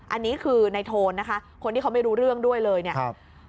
อันนี้คือในโทนนะคะคนที่เขาไม่รู้เรื่องด้วยเลยเนี่ยครับ